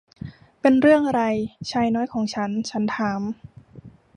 'เป็นเรื่องอะไรชายน้อยของฉัน' ฉันถาม